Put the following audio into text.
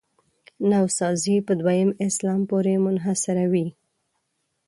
نوسازي په دویم اسلام پورې منحصروي.